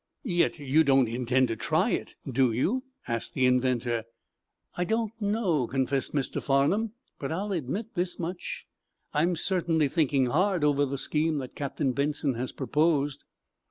"Yet you don't intend to try it, do you?" asked the inventor. "I don't know," confessed Mr. Farnum. "But I'll admit this much I'm certainly thinking hard over the scheme that Captain Benson has proposed."